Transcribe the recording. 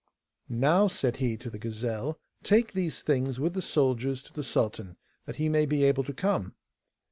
'Now,' said he to the gazelle, 'take these things with the soldiers to the sultan, that he may be able to come.